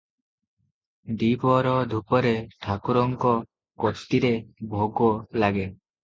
ଦିପହର ଧୂପରେ ଠାକୁରଙ୍କ କତିରେ ଭୋଗ ଲାଗେ ।